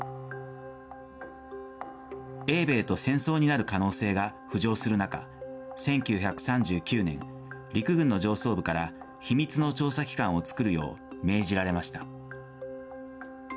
英米と戦争になる可能性が浮上する中、１９３９年、陸軍の上層部から秘密の調査機関を作るよう命じられました。